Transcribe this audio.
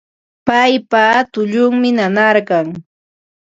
Paypa tullunmi nanarqan